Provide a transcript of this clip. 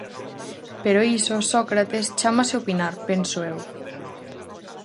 Pero iso, Sócrates, chámase opinar, penso eu.